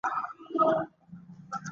د نیالګي لیږدول څنګه وکړم؟